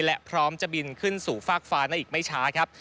และพร้อมจะบินขึ้นสู่ฟากฟ้าในอีกไม่ช้าครับ